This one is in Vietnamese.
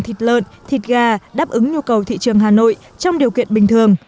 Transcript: thịt lợn thịt gà đáp ứng nhu cầu thị trường hà nội trong điều kiện bình thường